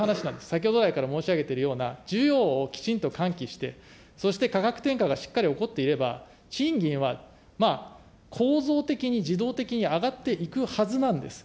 先ほど来から申し上げているような、需要をきちんと喚起して、そして価格転嫁がしっかり起こっていれば、賃金は構造的に、自動的に上がっていくはずなんです。